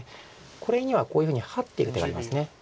これにはこういうふうにハッていく手があります。